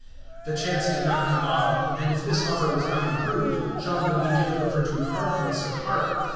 The chance did not come often, and if this offer was not improved, John would be given over to hardness of heart.